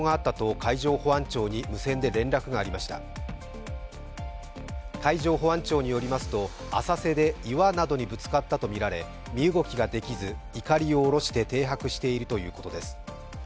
海上保安庁によりますと、浅瀬で岩などにぶつかったとみられ身動きができず、いかりを降ろして停泊しているということです。